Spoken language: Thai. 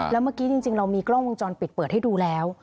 แล้วเมื่อกี้จริงเรามีกล้องวงจรปิดเปิดให้ดูแล้ว